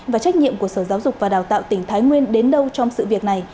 và trách nhiệm của sở giáo dục và đào tạo tỉnh thái nguyên đến đâu trong sự việc này